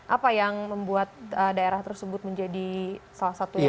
apa yang membuat daerah tersebut menjadi salah satu yang tertinggi